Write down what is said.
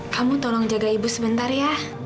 kamu tolong jaga ibu sebentar ya